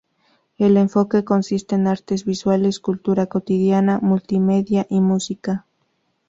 El enfoque consiste en artes visuales, cultura cotidiana, multimedia y música.